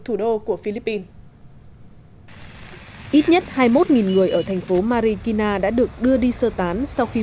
thủ đô của philippines ít nhất hai mươi một người ở thành phố marikina đã được đưa đi sơ tán sau khi